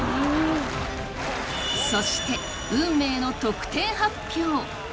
そして、運命の得点発表